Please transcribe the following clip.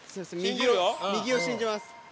右を信じます。